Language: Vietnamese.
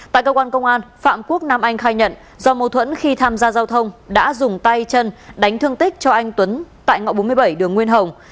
tại cơ quan công an phạm quốc nam anh khai nhận do mâu thuẫn khi tham gia giao thông đã dùng tay chân đánh thương tích cho anh tuấn tại ngõ bốn mươi bảy đường nguyên hồng